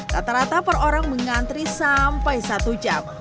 rata rata per orang mengantri sampai satu jam